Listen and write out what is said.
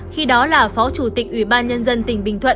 khi đó là phó chủ tịch ủy ban nhân dân tỉnh bình thuận